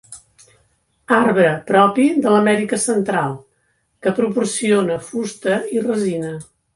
Arbre propi de l'Amèrica Central, que proporciona fusta i resina.